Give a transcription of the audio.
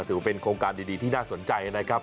ถือว่าเป็นโครงการดีที่น่าสนใจนะครับ